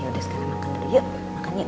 yaudah sekarang makan dulu yuk